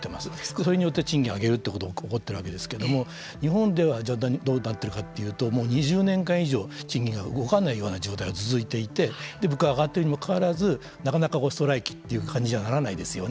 それによって賃金を上げるということが起こっているわけですけれども日本ではどうなっているかというともう２０年間以上賃金が動かないような状態が続いていて物価が上がっているにもかかわらずなかなかストライキという感じにはならないですよね。